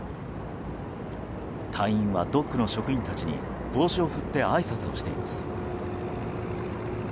隊員はドックの職員たちに帽子を振ってあいさつをしています。